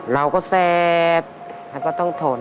เราก็แสบแล้วก็ต้องทน